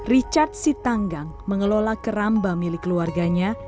richard sitanggang mengelola keramba milik keluarganya